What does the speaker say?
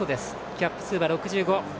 キャップ数は６５。